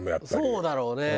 そうだろうね。